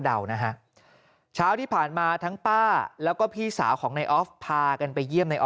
เดานะคะช้าที่ผ่านมาทั้งป้าแล้วก็พี่สาวของนายออฟพากัน